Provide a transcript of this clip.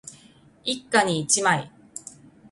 一家に一枚